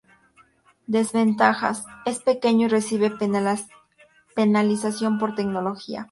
Desventajas: Es pequeño y recibe penalización por tecnología.